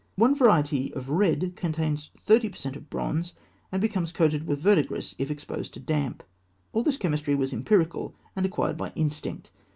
One variety of red contains 30 per cent of bronze, and becomes coated with verdegris if exposed to damp. All this chemistry was empirical, and acquired by instinct.